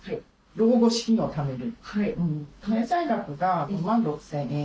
老後資金をためる。